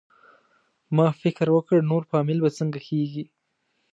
ما فکر وکړ نور فامیل به څنګه کېږي؟